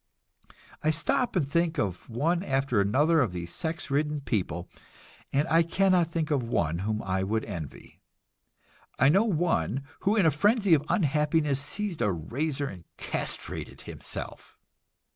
I stop and think of one after another of these sex ridden people, and I cannot think of one whom I would envy. I know one who in a frenzy of unhappiness seized a razor and castrated himself.